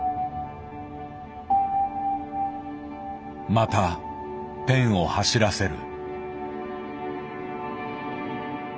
またペンを走らせる。